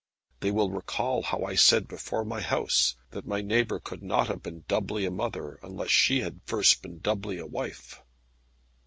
They will recall how I said before my house, that my neighbour could not have been doubly a mother, unless she had first been doubly a wife.